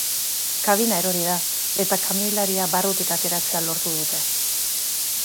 Kabina erori da, eta kamioilaria barrutik ateratzea lortu dute.